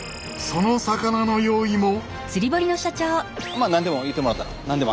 その魚の用意も。